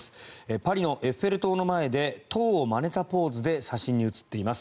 パリのエッフェル塔の前で塔をまねたポーズで写真に写っています。